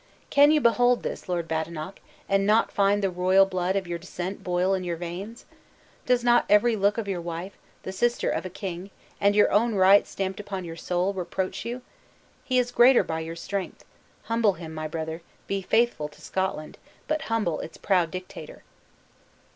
Can you behold this, Lord Badenoch, and not find the royal blood of your descent boil in your veins? Does not every look of your wife, the sister of a king, and your own right stamped upon your soul, reproach you? He is greater by your strength. Humble him, my brother; be faithful to Scotland, but humble its proud dictator!"